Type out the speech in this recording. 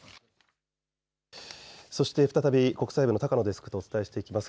そして再び国際部の高野デスクとお伝えしていきます。